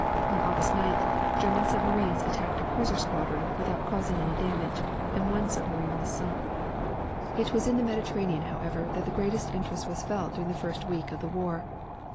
On August 9th, German submarines attacked a cruiser squadron without causing any damage, and one submarine was sunk. It was in the Mediterranean, however, that the greatest interest was felt during the first week of the war.